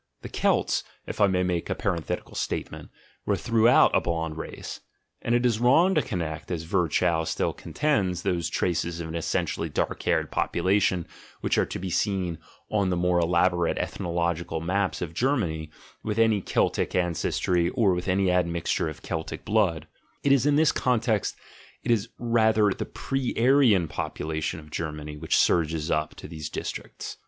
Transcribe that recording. The Celts, if I may make a parenthetic statement, were throughout a blonde race; and it is wrong to connect, as Virchow still connects, those traces of an essentially dark haired population which are to be seen on the more elaborate ethnographical maps of Germany with any Celtic ancestry or with any ad mixture of Celtic blood: in this context it is rather the pre Aryan population of Germany which surges up to these districts.